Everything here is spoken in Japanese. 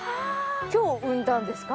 今日産んだんですか？